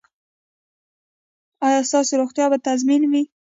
ایا ستاسو روغتیا به تضمین وي؟